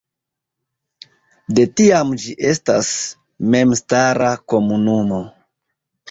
De tiam ĝi estas memstara komunumo.